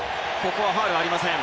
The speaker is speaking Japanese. ここはファウルありません。